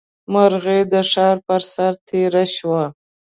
مرغۍ د ښار پر سر تېره شوه.